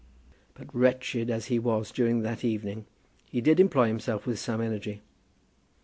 But wretched as he was during that evening he did employ himself with some energy.